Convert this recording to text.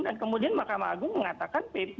dan kemudian makam agung mengatakan